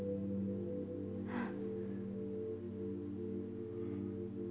うん。